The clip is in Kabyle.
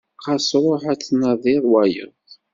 Ɣas ruḥ ad tnadiḍ wayeḍ.